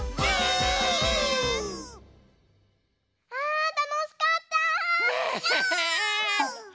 あたのしかった！ね。